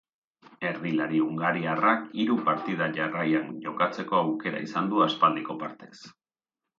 Erdilari hungariarrak hiru partida jarraian jokatzeko aukera izan du aspaldiko partez.